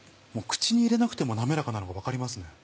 口に入れなくても滑らかなのが分かりますね。